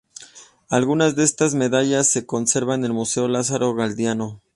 Alguna de estas medallas se conserva en el Museo Lázaro Galdiano.